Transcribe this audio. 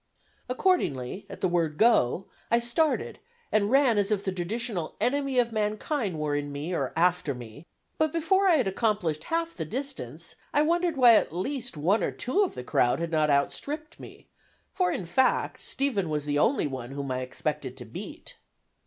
Accordingly, at the word "go," I started and ran as if the traditional enemy of mankind were in me or after me, but before I had accomplished half the distance, I wondered why at least, one or two of the crowd had not outstripped me, for, in fact, Stephen was the only one whom I expected to beat.